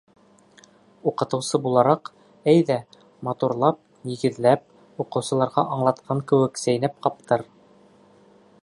Уҡытыусы булараҡ, әйҙә, матурлап, нигеҙләп, уҡыусыларға аңлатҡан кеүек сәйнәп ҡаптыр.